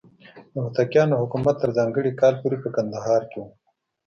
د هوتکیانو حکومت تر ځانګړي کال پورې په کندهار کې و.